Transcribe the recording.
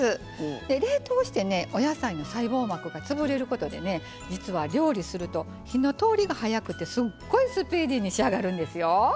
で冷凍してねお野菜の細胞膜が潰れることで実は料理すると火の通りが早くてすっごいスピーディーに仕上がるんですよ。